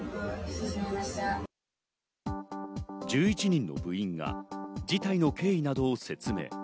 １１人の部員が事態の経緯などを説明。